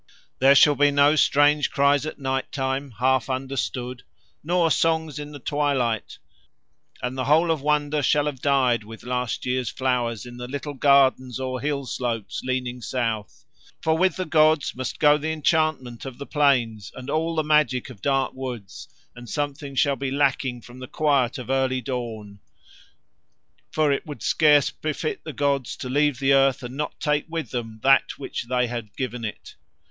There shall be no strange cries at night time half understood, nor songs in the twilight, and the whole of the wonder shall have died with last year's flowers in little gardens or hill slopes leaning south; for with the gods must go the enchantment of the plains and all the magic of dark woods, and something shall be lacking from the quiet of early dawn. For it would scarce befit the gods to leave the earth and not take with Them that which They had given it.